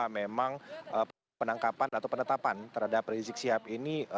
memang penangkapan atau penetapan terhadap rizik sihab ini